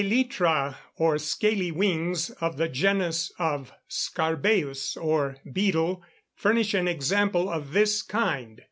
] The elytra, or scaly wings of the genus of scarabæus, or beetle, furnish an example of this kind.